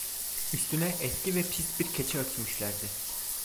Üstüne eski ve pis bir keçe örtmüşlerdi.